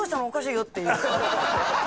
おかしいよって。